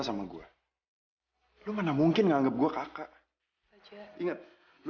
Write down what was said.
dan gue gak mau jadi temen lo